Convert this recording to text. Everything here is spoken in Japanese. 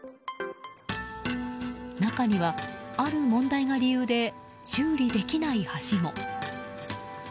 中には、ある問題が理由で修理できない橋も。